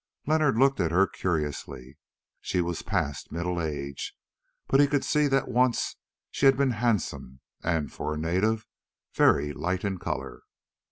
Leonard looked at her curiously. She was past middle age, but he could see that once she had been handsome, and, for a native, very light in colour.